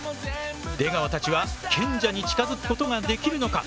出川たちは賢者に近づくことができるのか。